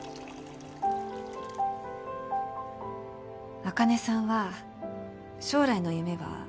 茜さんは将来の夢はある？